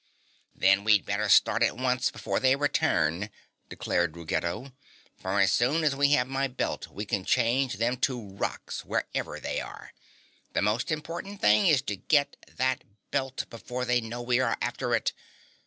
"Then we'd better start at once and before they return," declared Ruggedo. "For as soon as we have my belt we can change them to rocks, wherever they are. The most important thing is to get that belt before they know we are after it.